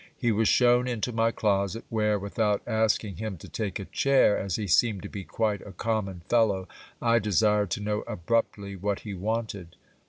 He was shown into my closet, where, without asking him to take a chair, as he seemed to be quite a common fellow, I desired to know abruptly what he wanted.